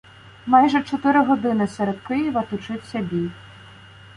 Майже чотири години серед Києва точився бій.